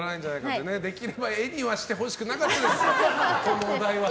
できれば絵にはしてほしくなかったです。